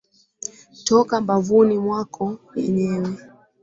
Toka mbavuni mwako yenyewe.